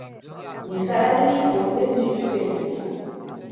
নিসার আলি কি বলবেন ভেবে পেলেন না।